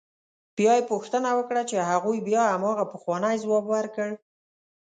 بیا یې پوښتنه وکړه خو هغوی بیا همغه پخوانی ځواب ورکړ.